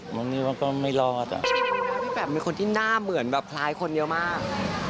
บางทีมันก็ไม่รอดอ่ะพี่แปมเป็นคนที่หน้าเหมือนแบบคล้ายคนเยอะมาก